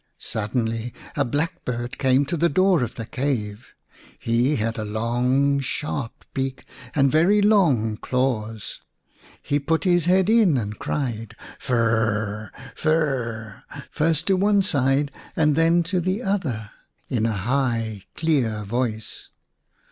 Suddenly a blackbird came to the door of the cave. He had a long sharp beak and very long claws. He put his head in and cried, " Fir r r r ! Fir r r r !" first to one side and then to the other in a high clear voice.